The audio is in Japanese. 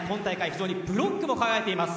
非常にブロックも輝いています。